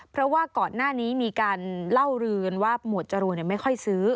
เพราะว่าก่อนหน้านี้มีการเล่ารืนว่าหมวดจรูนไม่ค่อยซื้อ